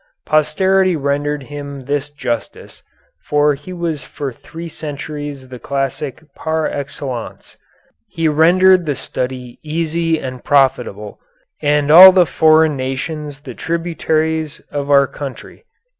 Posterity rendered him this justice, for he was for three centuries the classic par excellence. He rendered the study easy and profitable, and all the foreign nations the tributaries of our country."